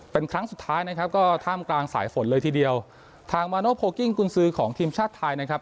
เป็นครั้งสุดท้ายนะครับก็ท่ามกลางสายฝนเลยทีเดียวทางของทีมชาติไทยนะครับ